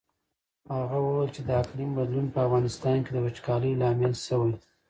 هغه وویل چې د اقلیم بدلون په افغانستان کې د وچکالۍ لامل شوی.